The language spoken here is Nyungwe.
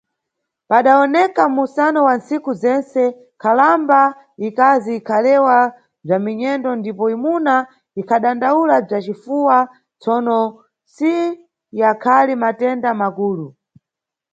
Padawoneka mʼmusano wa nntsiku zentse, nkhalamba ikazi ikhalewa bza minyendo ndipo imuna ikhadandawula bza cifuwa, tsono si yakhali matenda makulu.